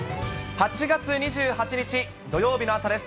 ８月２８日土曜日の朝です。